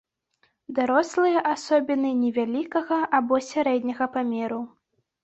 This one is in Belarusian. Дарослыя асобіны невялікага або сярэдняга памеру.